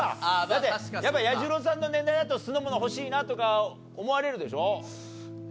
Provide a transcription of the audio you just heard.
だってやっぱ彌十郎さんの年代だと酢の物欲しいなとか思われるでしょ？